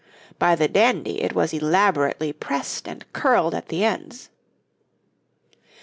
By the dandy it was elaborately pressed and curled at the ends.